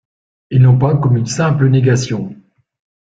Et non pas comme une simple négation.